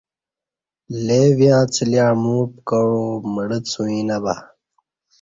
لے ویں اڅہ لی امعو پکہ عو مڑہ څوعیں نہ بہ